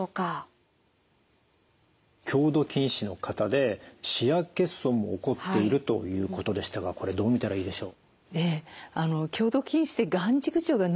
強度近視の方で視野欠損も起こっているということでしたがこれどう見たらいいでしょう？